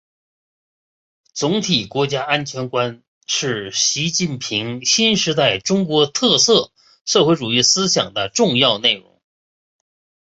总体国家安全观是习近平新时代中国特色社会主义思想的重要内容